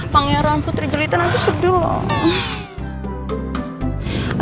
pangeran putri jelita nanti sedih lho